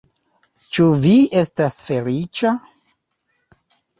Ĉu vi estas feliĉa?